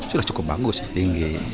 sudah cukup bagus tinggi